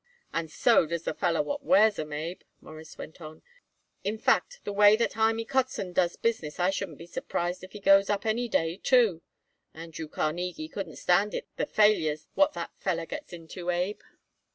"And so does the feller what wears 'em, Abe," Morris went on. "In fact, the way that Hymie Kotzen does business I shouldn't be surprised if he goes up any day, too. Andrew Carnegie couldn't stand it the failures what that feller gets into, Abe."